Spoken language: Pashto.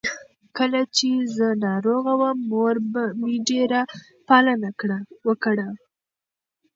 کله چې زه ناروغه وم، مور مې ډېره پالنه وکړه.